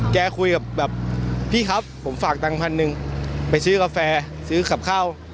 แกคุยกับแบบพี่ครับผมฝากตังค์พันหนึ่งไปซื้อกาแฟซื้อกับข้าว